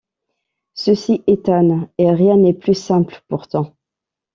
Ceci étonne, et rien n’est plus simple pourtant.